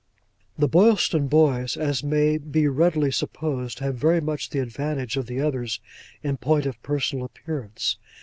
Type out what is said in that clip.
The Boylston boys, as may be readily supposed, have very much the advantage of the others in point of personal appearance.